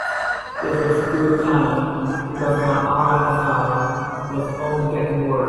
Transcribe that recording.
This was good timing, because my RSI was only getting worse.